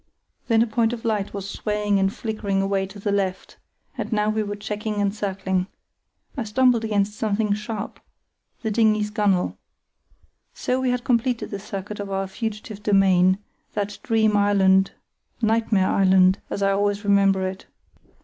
Then a point of light was swaying and flickering away to the left, and now we were checking and circling. I stumbled against something sharp—the dinghy's gunwale. So we had completed the circuit of our fugitive domain, that dream island—nightmare island as I always remember it.